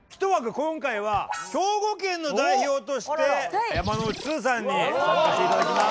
今回は兵庫県の代表として山之内すずさんに参加して頂きます。